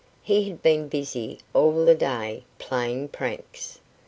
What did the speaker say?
He had been busy all the day playing pranks.